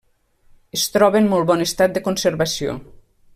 Es troba en molt bon estat de conservació.